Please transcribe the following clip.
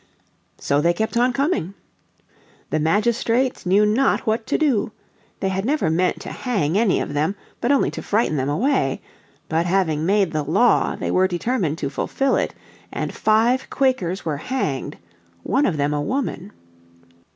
So they kept on coming. The magistrates knew not what to do. They had never meant to hang any of them, but only to frighten them away. But having made the law, they were determined to fulfil it, and five Quakers were hanged, one of them a woman.